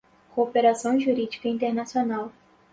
cooperação jurídica internacional